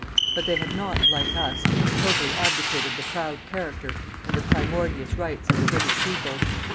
But they have not, LIKE US, totally ABDICATED the PROUD CHARACTER and the PRIMORDIOUS RIGHTS _of the British peoples.